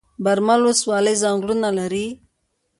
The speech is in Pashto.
برمل ولسوالۍ ځنګلونه لري؟